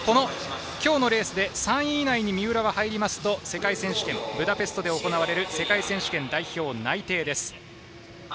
今日のレースで３位以内に三浦が入りますとブダペストで行われる世界選手権の代表内定です。